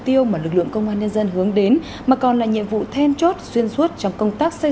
tiêu mà lực lượng công an nhân dân hướng đến mà còn là nhiệm vụ then chốt xuyên suốt trong công tác xây